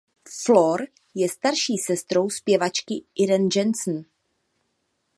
Floor je starší sestrou zpěvačky Irene Jansen.